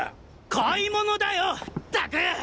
買い物だよったく！